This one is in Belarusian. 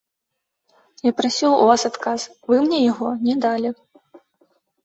Я прасіў у вас адказ, вы мне яго не далі.